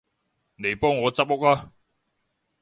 嚟幫我執屋吖